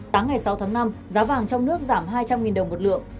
sáng ngày sáu tháng năm giá vàng trong nước giảm hai trăm linh đồng một lượng